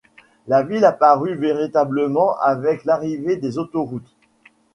La ville apparut véritablement avec l'arrivée des autoroutes.